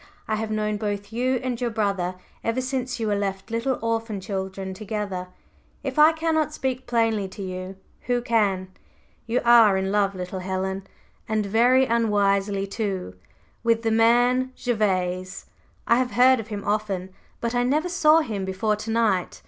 I have known both you and your brother ever since you were left little orphan children together; if I cannot speak plainly to you, who can? You are in love, little Helen and very unwisely, too with the man Gervase. I have heard of him often, but I never saw him before to night.